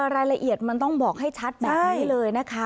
รายละเอียดมันต้องบอกให้ชัดแบบนี้เลยนะคะ